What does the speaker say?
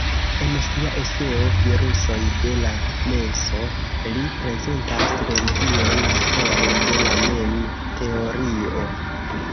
En sia eseo "Virusoj de la menso" li prezentas religion pere de la meme-teorio.